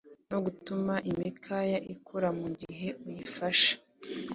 no gutuma imikaya ikura mu gihe uyifashe